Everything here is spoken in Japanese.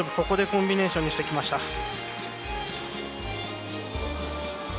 ここでコンビネーションにしてきました。